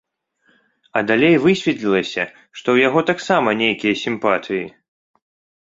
А далей высветлілася, што ў яго таксама нейкія сімпатыі.